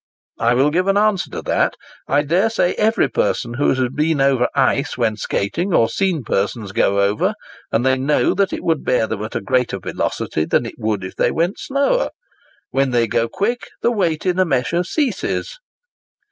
"I will give an answer to that. I dare say every person has been over ice when skating, or seen persons go over, and they know that it would bear them better at a greater velocity than it would if they went slower; when they go quick, the weight in a measure ceases."